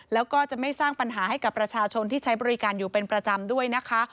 แล้วก็จะไม่สร้างปัญหาให้กับประชาชนที่ใช้บริการอยู่เป็นประจำด้วยนะคะ